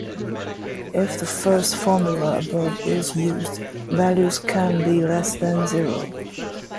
If the first formula above is used, values can be less than zero.